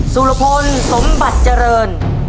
สุรพลสมบัติเจริญ